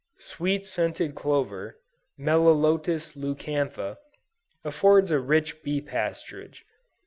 Sweet scented clover, (Mellilotus Leucantha,) affords a rich bee pasturage.